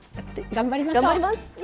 頑張ります！